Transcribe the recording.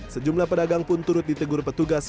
sejumlah pedagang pun turut ditegur petugas